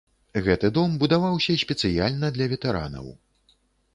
Гэты дом будаваўся спецыяльна для ветэранаў.